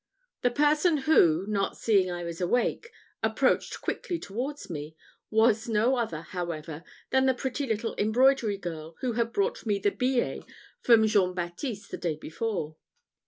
The person who, not seeing I was awake, approached quickly towards me, was no other, however, than the pretty little embroidery girl who had brought me the billet from Jean Baptiste the day before.